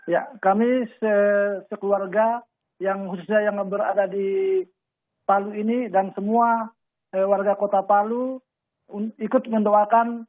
ya kami sekeluarga yang khususnya yang berada di palu ini dan semua warga kota palu ikut mendoakan